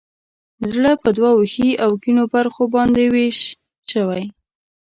زړه په دوو ښي او کیڼو برخو باندې ویش شوی.